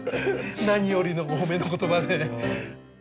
何よりのお褒めの言葉で。